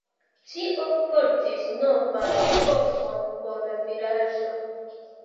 Tio portis novan epokon por la vilaĝo.